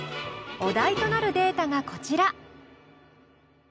お題となるデータがこちら。